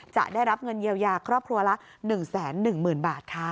จะได้รับเงินเยียวยาครอบครัวละ๑๑๐๐๐บาทค่ะ